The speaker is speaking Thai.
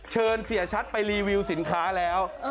เชิญเสียชัดไปรีวิวสินค้าแล้ว